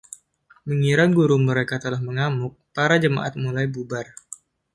Mengira Guru mereka telah mengamuk, para jemaat mulai bubar.